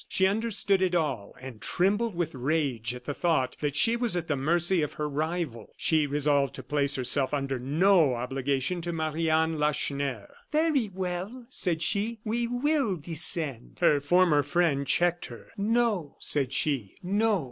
She understood it all, and trembled with rage at the thought that she was at the mercy of her rival. She resolved to place herself under no obligation to Marie Anne Lacheneur. "Very well," said she, "we will descend." Her former friend checked her. "No," said she, "no!